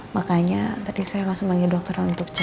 makanya tadi saya langsung panggil dokter untuk cek kondisi dia ya